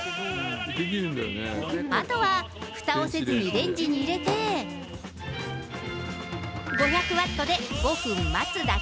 あとはふたをせずにレンジに入れて、５００ワットで５分待つだけ。